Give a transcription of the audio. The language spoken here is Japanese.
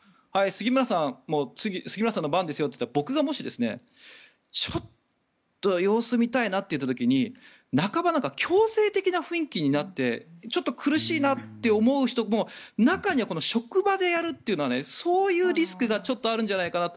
はい、杉村さんの番ですよとなって僕がもし、ちょっと様子を見たいなといった時に半ば強制的な雰囲気になってちょっと苦しいなと思う人も中には職場でやるというのはそういうリスクがあるんじゃないかなと。